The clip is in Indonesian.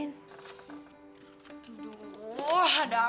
nyonya besar suka marah kalo dibangunin